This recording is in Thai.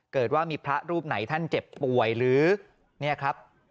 เกิดว่ามีพระรูปไหนท่านเจ็บป่วยหรือเนี่ยครับ